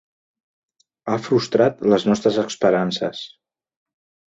Ha frustrat les nostres esperances.